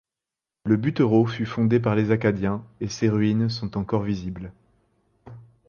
Le Buttereau fut fondé par les Acadiens et ses ruines sont encore visibles.